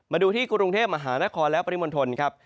มาดูที่กรุงเทพมหานครและปริมณฑลครับ